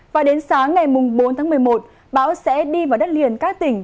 và đến sáng ngày bốn tháng một mươi một bão sẽ đi vào đất liền các tỉnh